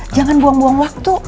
jangan buang buang waktu